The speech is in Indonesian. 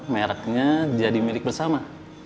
merknya jadi milik bersama